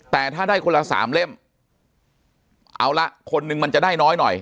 แต่ถ้าได้คนละสามเล่มเอาละคนนึงมันจะได้น้อยหน่อย